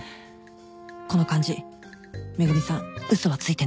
この感じ恵美さん嘘はついてない